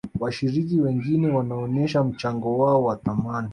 washiriki wengine wanaonesha mchango wao wa thamani